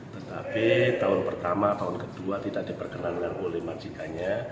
tetapi tahun pertama tahun kedua tidak diperkenankan oleh majikanya